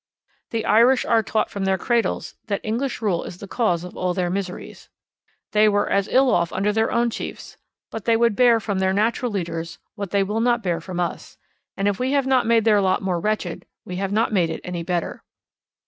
[The Irish] are taught from their cradles that English rule is the cause of all their miseries. They were as ill off under their own chiefs; but they would bear from their natural leaders what they will not bear from us, and if we have not made their lot more wretched we have not made it any better.